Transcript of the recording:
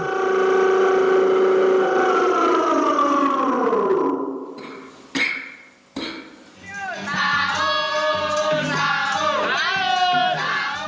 sahur sahur sahur